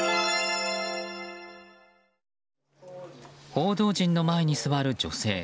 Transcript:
報道陣の前に座る女性。